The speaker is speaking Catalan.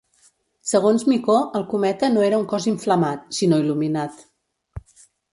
Segons Micó el cometa no era un cos inflamat, sinó il·luminat.